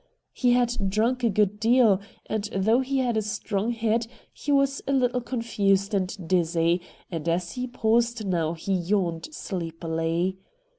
He had drunk a good deal, and though he had a strong head he was a little confused and dizzy, and as he paused now he yawned sleepily.